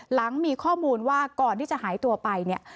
หลังมีข้อมูลว่าก่อนที่จะหายตัวไปเนี่ย